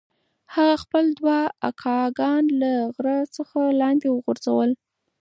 هغه خپل دوه اکاګان له غره څخه لاندې وغورځول.